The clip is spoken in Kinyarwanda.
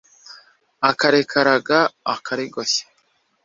Akarikaraga akarigoshya